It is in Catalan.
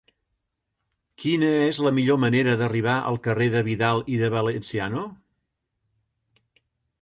Quina és la millor manera d'arribar al carrer de Vidal i de Valenciano?